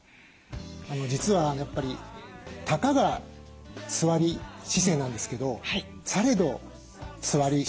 実はやっぱりたかが座り姿勢なんですけどされど座り姿勢なんですね。